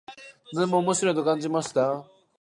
とても面白いと感じました。